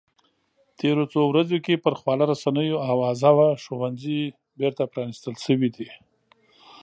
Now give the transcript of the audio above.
تېرو څو ورځو کې پر خواله رسنیو اوازه وه ښوونځي بېرته پرانیستل شوي دي